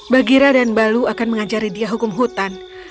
bagira dan balu akan mengajari dia hukum hutan